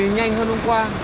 hôm nay thì nhanh hơn hôm qua